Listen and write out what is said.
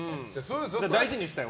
大事にしたい。